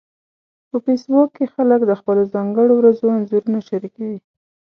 په فېسبوک کې خلک د خپلو ځانګړو ورځو انځورونه شریکوي